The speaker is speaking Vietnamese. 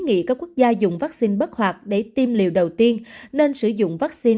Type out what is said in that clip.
nghĩ các quốc gia dùng vaccine bất hoạt để tiêm liều đầu tiên nên sử dụng vaccine